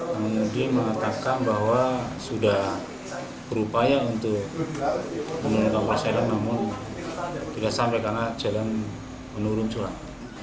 pengemudi mengatakan bahwa sudah berupaya untuk memenuhi kawasan namun tidak sampai karena jalan menurun curang